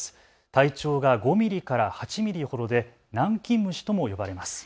体長が５ミリから８ミリほどでナンキンムシとも呼ばれます。